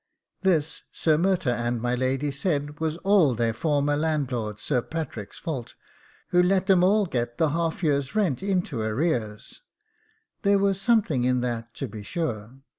This, Sir Murtagh and my lady said, was all their former landlord Sir Patrick's fault, who let 'em all get the half year's rent into arrear; there was something in that to be sure.